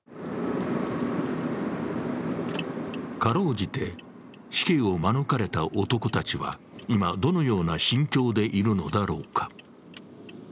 かろうじて死刑を免れた男たちは今どのような心境でいるのだろうか。